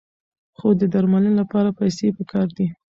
خو د درملنې لپاره پیسې پکار دي.